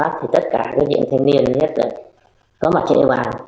thì đã bỏ chống người phương